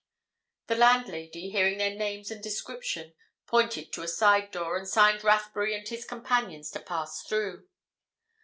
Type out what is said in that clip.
The landlady, hearing their names and description, pointed to a side door, and signed Rathbury and his companions to pass through.